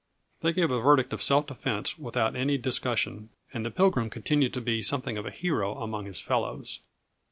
They gave a verdict of self defense without any discussion, and the Pilgrim continued to be something of a hero among his fellows.